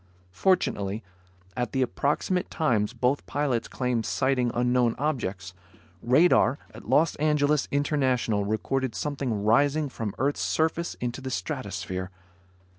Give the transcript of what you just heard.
Fortunately, at the approximate times both pilots claimed sighting unknown objects, radar at Los Angeles International recorded something rising from earth's surface into the stratosphere.